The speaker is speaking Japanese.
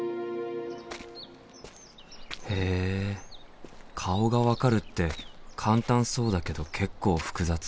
へえ顔が分かるって簡単そうだけど結構複雑。